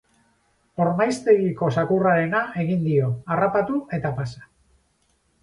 Ormaiztegiko zakurrarena egin dio, harrapatu eta pasa.